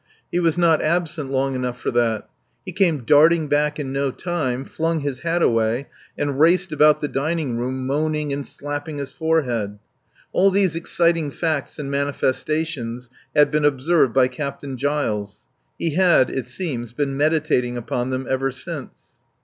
He was not absent long enough for that. He came darting back in no time, flung his hat away, and raced about the dining room moaning and slapping his forehead. All these exciting facts and manifestations had been observed by Captain Giles. He had, it seems, been meditating upon them ever since.